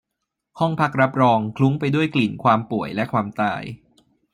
ห้องพักรับรองคลุ้งไปด้วยกลิ่นความป่วยและความตาย